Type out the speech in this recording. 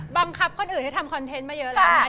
บังคับคนอื่นให้ทำคอนเทนต์มาเยอะแล้ว